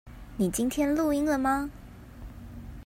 你今天錄音了嗎？